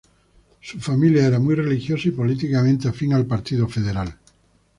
Su familia era muy religiosa, y políticamente afín al Partido Federal.